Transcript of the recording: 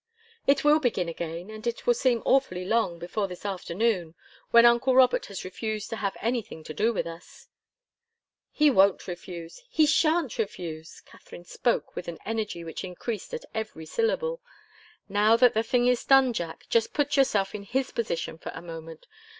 "It will begin again, and it will seem awfully long, before this afternoon when uncle Robert has refused to have anything to do with us." "He won't refuse he shan't refuse!" Katharine spoke with an energy which increased at every syllable. "Now that the thing is done, Jack, just put yourself in his position for a moment.